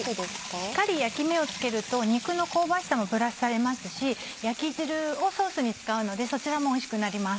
しっかり焼き目をつけると肉の香ばしさもプラスされますし焼き汁をソースに使うのでそちらもおいしくなります。